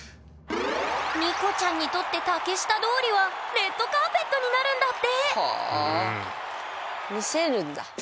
ＮＩＣＯちゃんにとって竹下通りはレッドカーペットになるんだってはあみせるんだ。